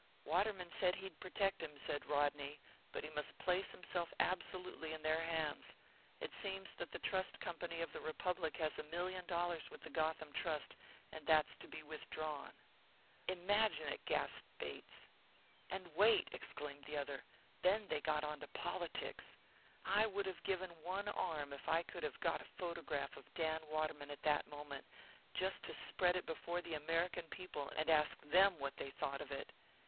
"Waterman said he'd protect him," said Rodney. "But he must place himself absolutely in their hands. It seems that the Trust Company of the Republic has a million dollars with the Gotham Trust, and that's to be withdrawn." "Imagine it!" gasped Bates. "And wait!" exclaimed the other; "then they got on to politics. I would have given one arm if I could have got a photograph of Dan Waterman at that moment just to spread it before the American people and ask them what they thought of it!